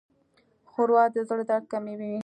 ښوروا د زړه درد کموي.